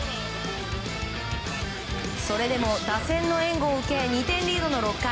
それでも打線の援護を受け２点リードの６回。